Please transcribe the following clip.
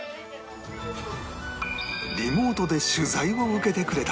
リモートで取材を受けてくれた